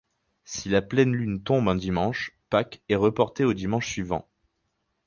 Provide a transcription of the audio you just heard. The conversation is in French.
Si la pleine lune tombe un dimanche, Pâques est reporté au dimanche suivant.